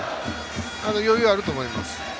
余裕あると思います。